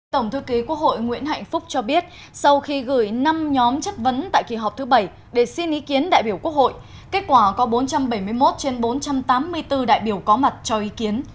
tổng thư ký quốc hội nguyễn hạnh phúc cho biết sau khi gửi năm nhóm chất vấn tại kỳ họp thứ bảy để xin ý kiến đại biểu quốc hội kết quả có bốn trăm bảy mươi một trên bốn trăm tám mươi bốn đại biểu có mặt cho ý kiến